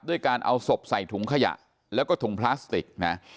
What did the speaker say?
ด้วยการเอาศพใส่ถุงขยะแล้วก็ถุงพลาสติกนะ